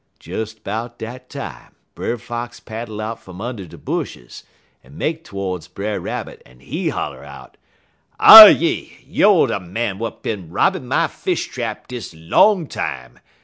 "Des 'bout dat time, Brer Fox paddle out fum und' de bushes, en make todes Brer Rabbit, en he holler out: "'Ah yi! Youer de man w'at bin robbin' my fish trap dis long time!